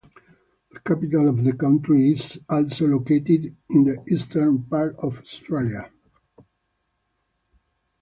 The capital of the country is also located in the eastern part of Australia.